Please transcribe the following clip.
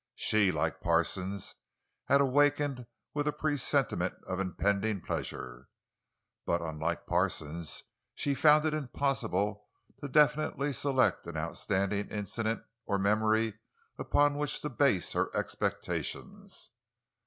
She, like Parsons, had awakened with a presentiment of impending pleasure. But, unlike Parsons, she found it impossible to definitely select an outstanding incident or memory upon which to base her expectations.